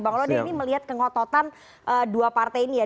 bang lode ini melihat kengototan dua partai ini ya